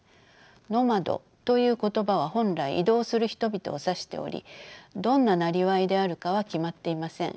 「Ｎｏｍａｄ」という言葉は本来移動する人々を指しておりどんななりわいであるかは決まっていません。